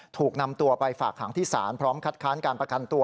ถูกนำตัวไปฝากหางที่ศาลพร้อมคัดค้านการประกันตัว